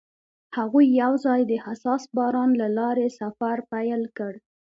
هغوی یوځای د حساس باران له لارې سفر پیل کړ.